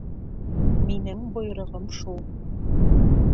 Минең бойороғом шул.